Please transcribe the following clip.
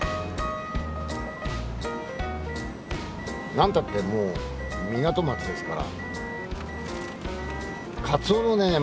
何たってもう港町ですから。